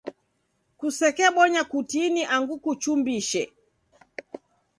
Kusekebonya kutini angu kuchumbise.